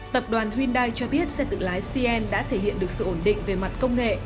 tập đoàn hyundai cho biết xe tự lái cnn đã thể hiện được sự ổn định về mặt công nghệ